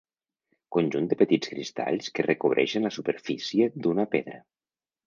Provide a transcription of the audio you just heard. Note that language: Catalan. Conjunt de petits cristalls que recobreixen la superfície d'una pedra.